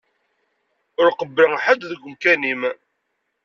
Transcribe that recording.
Ur qebbleɣ ḥedd deg umkan-im.